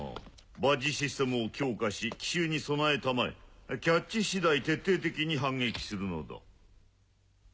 バッジシステムを強化し奇襲に備えたまえキャッチ次第徹底的に反撃するのだ。